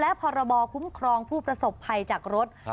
และพบคุ้มครองพศผัยจากรถ